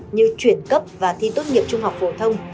như chuyển cấp và thi tốt nghiệp trung học phổ thông